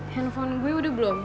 handphone gue udah belum